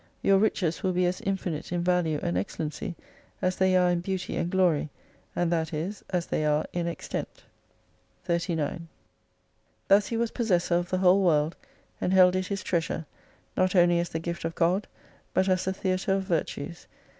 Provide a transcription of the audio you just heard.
Your riches will be as infinite in value and excellency, as they are in beauty and glory, and that is, as they are in extent. 39 Thus he was possessor of the whole world, and held it his treasure, not only as the gift of God, but as the theatre of virtues.